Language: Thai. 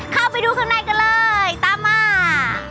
เข้าไปดูข้างในกันเลยตามมา